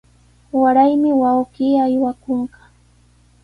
Waraymi wawqii aywakunqa.